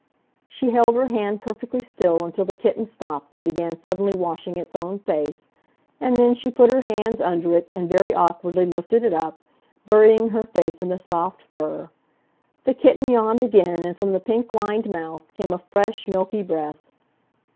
She held her hand perfectly still until the kitten stopped and began suddenly washing its own face, and then she put her hands under it and very awkwardly lifted it up, burying her face in the soft fur. The kitten yawned again, and from the pink lined mouth came a fresh, milky breath.